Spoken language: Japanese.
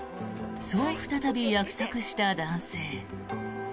そう再び約束した男性。